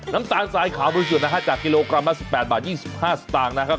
น้ำตาลสายขาวธรรมดาจากกิโลกรัมละ๑๘บาท๒๕สตางค์